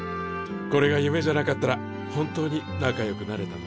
これが夢じゃなかったら本当に仲よくなれたのに。